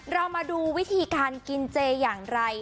เรามาดูวิธีการกินเจอย่างไร